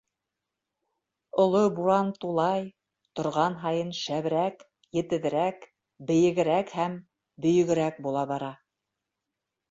Оло буран тулай, торған һайын шәберәк, етеҙерәк, бейегерәк һәм бөйөгөрәк була бара.